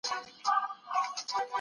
حیثیت په علم او پوهه سره لوړیږي.